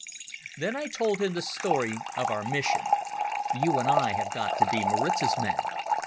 Then I told him the story of our mission. "You and I have got to be Maritz's men.